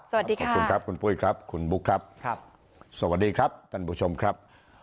สวัสดีค่ะคุณครับคุณปุ้ยครับคุณบุ๊คครับครับสวัสดีครับท่านผู้ชมครับ